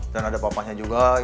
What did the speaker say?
dan ada papahnya juga